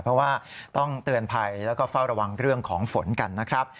เพราะว่าต้องเตือนภัยแล้วก็เฝ้าระวังเรื่องของฝนกันนะครับ